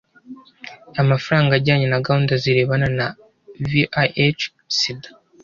amafaranga ajyanye na gahunda zirebana na vih/sida,